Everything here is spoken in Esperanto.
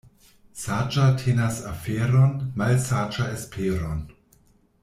Saĝa tenas aferon, malsaĝa esperon.